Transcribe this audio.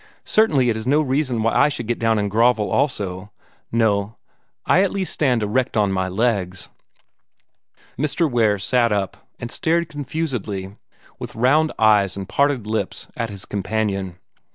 Certainly it is no reason why I should get down and grovel also. No; I at least stand erect on my legs." Mr. Ware sat up, and stared confusedly, with round eyes and parted lips, at his companion.